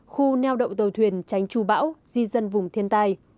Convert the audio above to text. khu neo đậu tàu thuyền tránh trù bão di dân vùng thiên tai